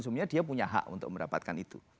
sebenarnya dia punya hak untuk mendapatkan itu